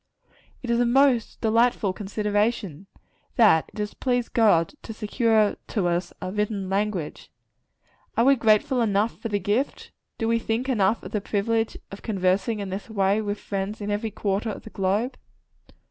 It is a most delightful consideration, that it has pleased God to secure to us a written language. Are we grateful enough for the gift? Do we think enough of the privilege of conversing in this way with friends in every quarter of the globe?